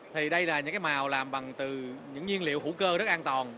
thì đây là những cái màu làm bằng từ những nhiên liệu hữu cơ rất an toàn